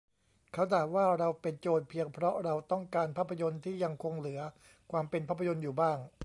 เขาด่าว่าเราเป็นโจร เพียงเพราะเราต้องการภาพยนตร์ที่ยังคงเหลือความเป็นภาพยนตร์อยู่บ้าง